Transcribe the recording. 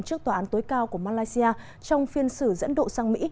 trước tòa án tối cao của malaysia trong phiên xử dẫn độ sang mỹ